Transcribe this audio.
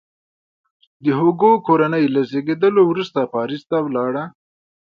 د هوګو کورنۍ له زیږېدلو وروسته پاریس ته ولاړه.